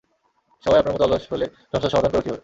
সবাই আপনার মত অলস হলে সমস্যার সমাধান করব কিভাবে?